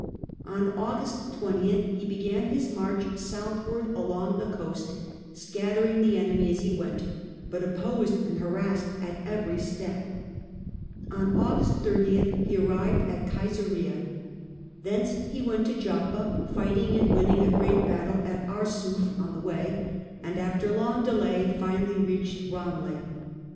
On August 20 he began Palestine. jjjg march southward along the coast, scatter ing the enemy as he went, but opposed and harassed at every step. On August 30 he arrived at Caesarea. Thence he went to Joppa, fighting and winning a great battle at Arsouf on the way, and after long delay finally reached Ramleh.